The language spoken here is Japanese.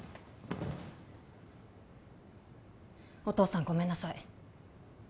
お父さんごめんなさい